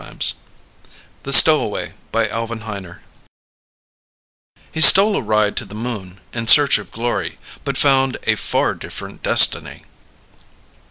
net The Stowaway By Alvin Heiner _He stole a ride to the Moon in search of glory, but found a far different destiny.